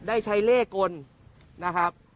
ได้ใช้เลขกลนะครับ